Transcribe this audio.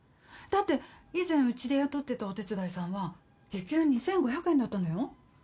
だって以前うちで雇ってたお手伝いさんは時給２，５００円だったのよ。